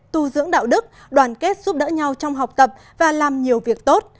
tu dưỡng đạo đức đoàn kết giúp đỡ nhau trong học tập và làm nhiều việc tốt